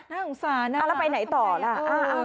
น่าสงสารน่าสงสัยแล้วไปไหนต่อล่ะฟังเสียงเขาหน่อยค่ะน่าสงสัยน่าสงสัย